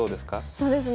そうですね